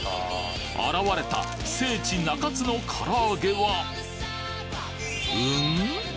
現れた聖地中津のから揚げはうん！？